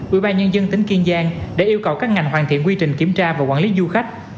quỹ ba nhân dân tỉnh kiên giang đã yêu cầu các ngành hoàn thiện quy trình kiểm tra và quản lý du khách